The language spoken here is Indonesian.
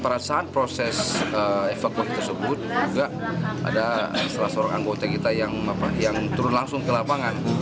pada saat proses evakuasi tersebut juga ada salah seorang anggota kita yang turun langsung ke lapangan